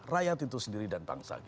rakyat itu sendiri dan bangsa